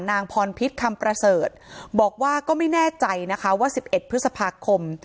นางพรพิษคำประเสริฐบอกว่าก็ไม่แน่ใจนะคะว่า๑๑พฤษภาคม